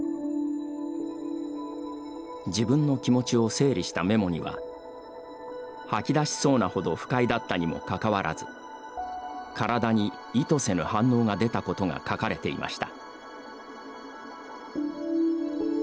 自分の気持ちを整理したメモには吐き出しそうなほど不快だったにもかかわらず体に意図せぬ反応が出たことが書かれていました。